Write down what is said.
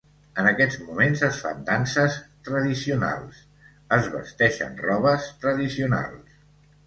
En aquests moments es fan danses tradicionals, es vesteixen robes tradicionals.